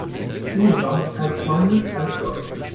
Usedom ist halb polnisch, halb deutsch.